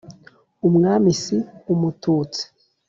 umwami si umututsi